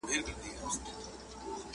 هغه بل وویل شنو ونو څه جفا کړې وه؟!!